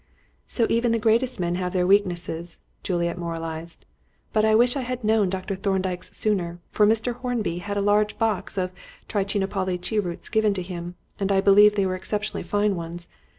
"So even the greatest men have their weaknesses," Juliet moralised; "but I wish I had known Dr. Thorndyke's sooner, for Mr. Hornby had a large box of Trichinopoly cheroots given to him, and I believe they were exceptionally fine ones.